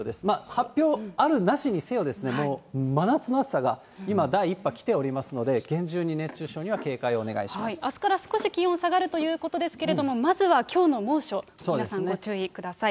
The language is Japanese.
発表あるなしにせよ、真夏の暑さが、今第１波来ておりますので、厳重に熱中症には警戒をお願いしあすから少し気温下がるということですけれども、まずはきょうの猛暑、皆さん、ご注意ください。